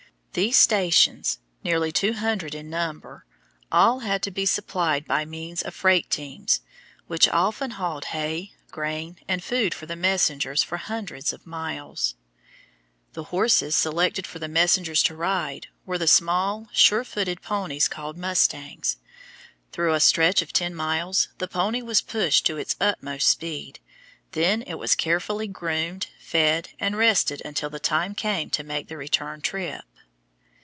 These stations, nearly two hundred in number, all had to be supplied by means of freight teams, which often hauled hay, grain, and food for the messengers for hundreds of miles. The horses selected for the messengers to ride were the small, sure footed ponies called mustangs. Through a stretch of ten miles the pony was pushed to its utmost speed, then it was carefully groomed, fed, and rested until the time came to make the return trip.